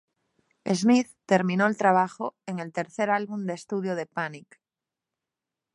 Smith terminó el trabajo en el tercer álbum de estudio de Panic!